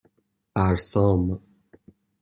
بَرسام